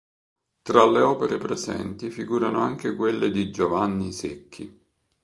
Tra le opere presenti figurano anche quelle di Giovanni Secchi.